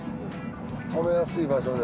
停めやすい場所で。